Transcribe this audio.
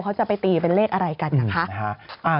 เขาจะไปตีเป็นเลขอะไรกันนะคะ